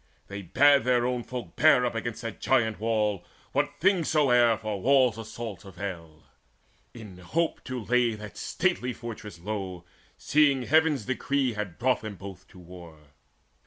They bade Their own folk bear against that giant wall What things soe'er for war's assaults avail, In hope to lay that stately fortress low, Seeing Heaven's decrees had brought them both to war.